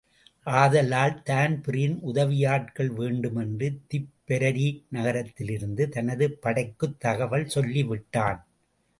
ஆதலால், தான்பிரீன் உதவியாட்கள் வேண்டுமென்று திப்பெரரி நகரலிருந்து தனது படைக்குத் தகவல் சொல்லிவிட்டான்.